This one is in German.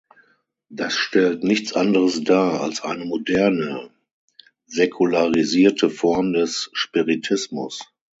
Das stellt nichts anderes dar, als eine moderne, säkularisierte Form des Spiritismus.